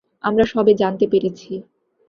আমরা সবে জানতে পেরেছি।